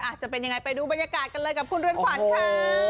จะเป็นยังไงไปดูบรรยากาศกันเลยกับคุณเรือนขวัญค่ะ